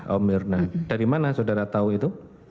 oh mirna dari mana saudara tahu itu